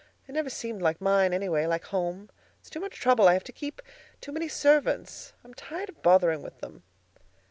It never seemed like mine, anyway—like home. It's too much trouble. I have to keep too many servants. I am tired bothering with them."